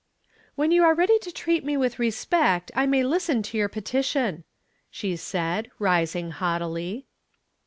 "When you are ready to treat me with respect I may listen to your petition," she said, rising haughtily.